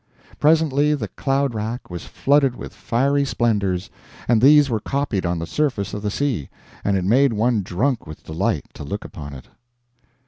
Presently the cloud rack was flooded with fiery splendors, and these were copied on the surface of the sea, and it made one drunk with delight to look upon it.